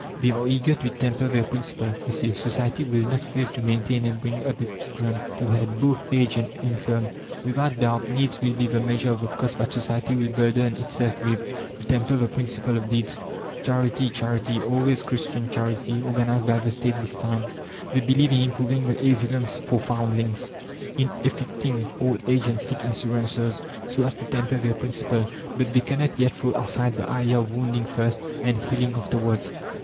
They are eager to temper their principle. They say: "Society will not fail to maintain and bring up its children; to help both aged and infirm. Without doubt needs will be the measure of the cost that society will burden itself with, to temper the principle of deeds." Charity, charity, always Christian charity, organized by the State this time. They believe in improving the asylums for foundlings, in effecting old age and sick insurances so as to temper their principle. But they cannot yet throw aside the idea of "wounding first and healing afterwards"!